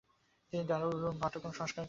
তিনি দারুল উলুমের পাঠ্যক্রমও সংস্কার করেন।